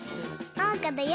おうかだよ！